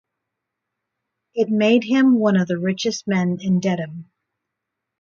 It made him one of the richest men in Dedham.